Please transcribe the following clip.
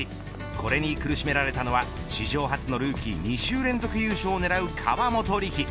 これに苦しめられたのは史上初のルーキー２週連続優勝を狙う、河本力。